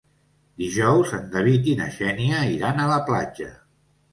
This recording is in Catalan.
Dijous en David i na Xènia iran a la platja.